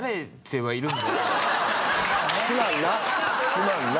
すまんな。